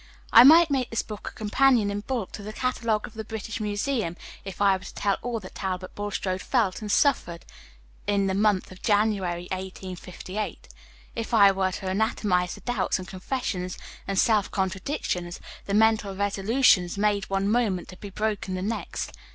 I might make this book a companion in bulk to the Catalogue of the British Museum if I were to Page 49 tell all that Talbot Bulstrode felt and suffered in the month of January, 1858 if I were to anatomize the doubts, and confessions, and self contradictions, the mental resolutions, made one moment to be broken the next.